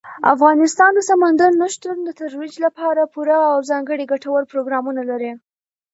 افغانستان د سمندر نه شتون د ترویج لپاره پوره او ځانګړي ګټور پروګرامونه لري.